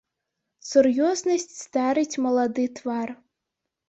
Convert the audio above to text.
Сур'ёзнасць старыць малады твар.